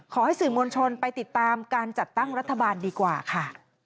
ขอให้สื่อมวลชนไปติดตามการจัดตั้งรัฐบาลดีกว่าค่ะ